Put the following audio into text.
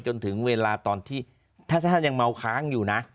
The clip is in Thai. จนถึงเวลาตอนที่ถ้าท่านยังเมาค้างอยู่นะ